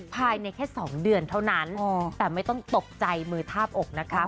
ภายในแค่๒เดือนเท่านั้นแต่ไม่ต้องตกใจมือทาบอกนะคะ